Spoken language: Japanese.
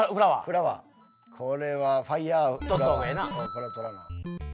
これは取らな。